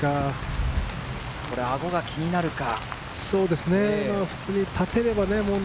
アゴが気になるか？